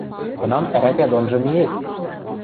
Кынам ӓрӓкӓ донжы миэт?